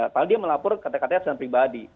kalau dia melapor kata katanya secara pribadi